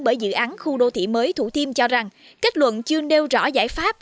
bởi dự án khu đô thị mới thủ thiêm cho rằng kết luận chưa nêu rõ giải pháp